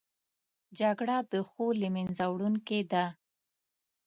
جګړه د ښو له منځه وړونکې ده